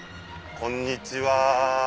こんにちは。